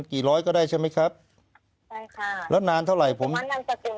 กี่ร้อยก็ได้ใช่ไหมครับใช่ค่ะแล้วนานเท่าไหร่ผมนานเติม